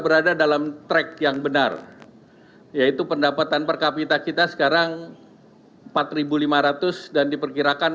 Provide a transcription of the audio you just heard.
berada dalam track yang benar yaitu pendapatan per kapita kita sekarang empat ribu lima ratus dan diperkirakan